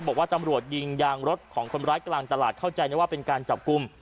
บอกว่าตำรวจยิงยางรถของคนร้ายกลางตลาดเข้าใจนะว่าเป็นการจับกลุ่ม